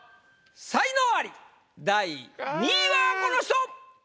才能アリ第２位はこの人！